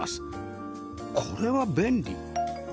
これは便利